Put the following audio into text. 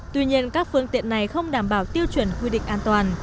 tuy nhiên các phương tiện này không đảm bảo tiêu chuẩn quy định an toàn